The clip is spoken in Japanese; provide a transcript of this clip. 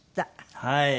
はい。